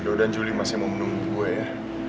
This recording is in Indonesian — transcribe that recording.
mudah mudahan julie masih mau menunggu gue ya